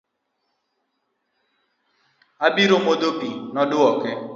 Abiro modho pii, nodwoke